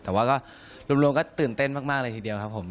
แต่ว่าก็รวมก็ตื่นเต้นมากเลยทีเดียวครับผม